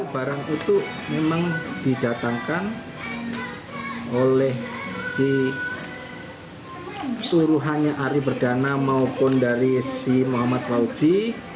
barang itu memang didatangkan oleh si suruhannya ari perdana maupun dari si muhammad fauji